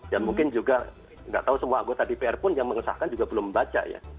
ya mungkin juga nggak tahu semua anggota dpr pun yang mengesahkan juga belum membaca ya